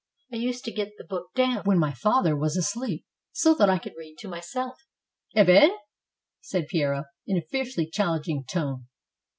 I used to get the book down when my father was asleep, so that I could read to myself." "Ebbene?^^ said Piero, in a fiercely challenging tone.